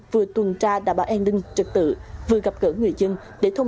vừa tuần tra đảm bảo an ninh trật tự vừa gặp gỡ người dân